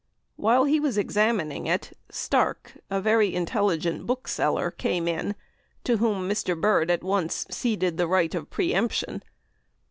While he was examining it, Stark, a very intelligent bookseller, came in, to whom Mr. Bird at once ceded the right of pre emption.